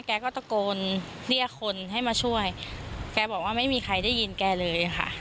แกก็ตะโกนเรียกคนให้มาช่วยแกบอกว่าไม่มีใครได้ยินแกเลยค่ะ